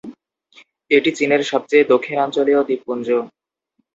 এটি চীনের সবচেয়ে দক্ষিণাঞ্চলীয় দ্বীপপুঞ্জ।